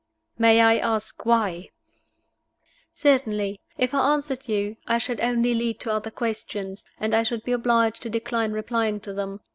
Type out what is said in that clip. "May I as k why?" "Certainly. If I answered you, I should only lead to other questions, and I should be obliged to decline replying to them.